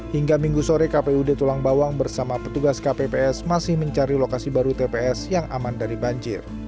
hingga minggu sore kpud tulang bawang bersama petugas kpps masih mencari lokasi baru tps yang aman dari banjir